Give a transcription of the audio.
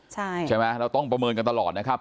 ใช่ไหมเราต้องประเมินกันตลอดนะครับ